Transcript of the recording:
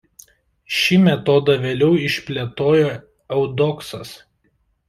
Šį metodą vėliau išplėtojo Eudoksas.